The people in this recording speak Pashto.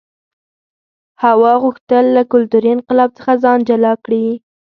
هوا غوښتل له کلتوري انقلاب څخه ځان جلا کړي.